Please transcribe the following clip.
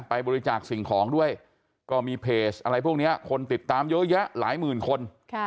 ไปบริจาคสิ่งของด้วยก็มีเพจอะไรพวกนี้คนติดตามเยอะแยะหลายหมื่นคน